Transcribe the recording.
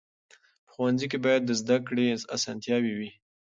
په ښوونځي کې باید د زده کړې اسانتیاوې وي.